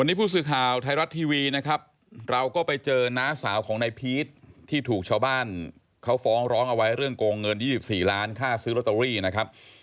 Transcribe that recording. วันนี้ผู้สื่อข่าวไทยรัฐทีวีนะครับเราก็ไปเจอน้าสาวของนายพีชที่ถูกชาวบ้านเขาฟ้องร้องเอาไว้เรื่องโกงเงิน๒๔ล้านค่าซื้อลอตเตอรี่นะครับ